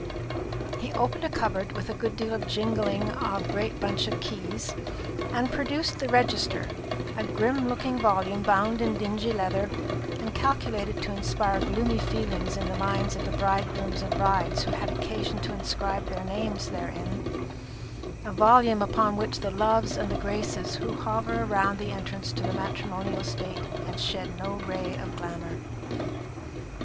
He opened a cupboard, with a good deal of jingling of a great bunch of keys, and produced the register; a grim looking volume bound in dingy leather, and calculated to inspire gloomy feelings in the minds of the bridegrooms and brides who had occasion to inscribe their names therein; a volume upon which the loves and the graces who hover around the entrance to the matrimonial state had shed no ray of glamour.